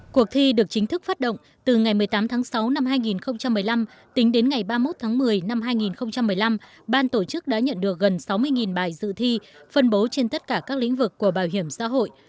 cuộc thi được chính thức phát động từ ngày một mươi tám tháng sáu năm hai nghìn một mươi năm tính đến ngày ba mươi một tháng một mươi năm hai nghìn một mươi năm ban tổ chức đã nhận được gần sáu mươi bài dự thi phân bố trên tất cả các lĩnh vực của bảo hiểm xã hội